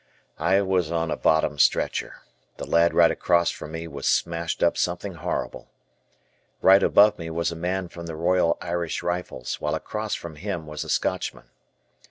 I was on a bottom stretcher. The lad right across from me was smashed up something horrible. Right above me was a man from the Royal Irish Rifles, while across from him was a Scotchman.